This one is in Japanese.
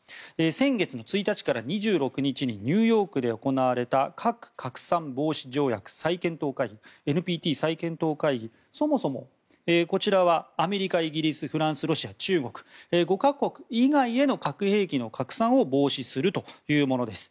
先月の１日から２６日にニューヨークで行われたＮＰＴ再検討会議そもそもこちらはアメリカイギリス、フランス、ロシア中国の５か国以外への核兵器の拡散を防止するというものです。